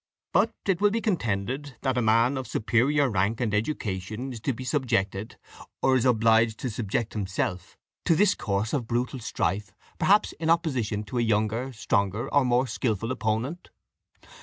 But will it be contended that a man of superior rank and education is to be subjected, or is obliged to subject himself, to this coarse and brutal strife, perhaps in opposition to a younger, stronger, or more skilful opponent?